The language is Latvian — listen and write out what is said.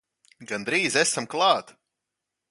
Gandrīz esam klāt!